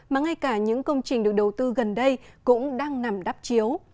mà ngay cả những công trình được đầu tư gần đây cũng đang nằm đắp chiếu